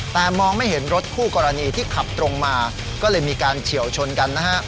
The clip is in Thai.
แต่มองไม่เห็นรถคู่กรณีที่ขับตรงมาก็เลยมีการเฉียวชนกันนะฮะ